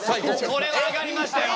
これは上がりましたよ。